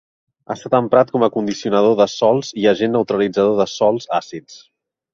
Ha estat emprat com a condicionador de sòls i agent neutralitzador de sòls àcids.